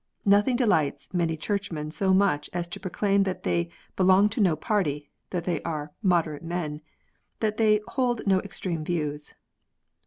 Nothing delights many Churchmen so much as to proclaim that they " belong to no party," that they are " moderate men," that they " hold no extreme views."